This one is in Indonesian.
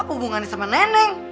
apa hubungannya sama nenek